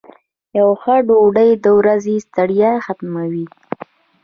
یو ښه ډوډۍ د ورځې ستړیا ختموي.